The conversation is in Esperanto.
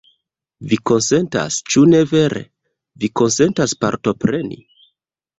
Vi konsentas, ĉu ne vere? Vi konsentas partopreni?